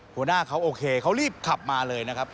หัวหน้าเขาโอเคเขารีบขับมาเลยนะครับ